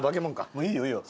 もういいよいいよ。